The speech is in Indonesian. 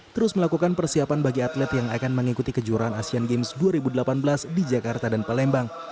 terus melakukan persiapan bagi atlet yang akan mengikuti kejuaraan asian games dua ribu delapan belas di jakarta dan palembang